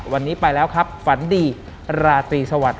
วันนี้ไปแล้วครับฝันดีราตรีสวัสดิ